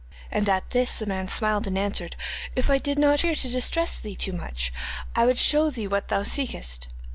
And at this the man smiled and answered: '"If I did not fear to distress thee too much, I would show thee what thou seekest."